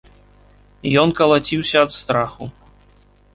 Ён калаціўся ад страху.